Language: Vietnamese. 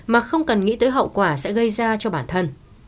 mà không cần nghĩ tới hậu quả sẽ gây ra cho bản thân